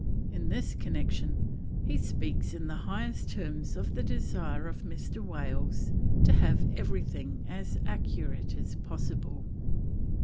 In this connection he speaks in the highest terms of the desire of Mr. Wales to have everything as accurate as possible.